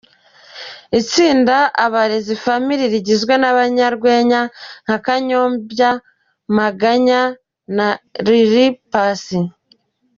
Itsinda Abarezi Family rigizwe n’abanyarwenya Kanyombya, Maganya na Lil Pac.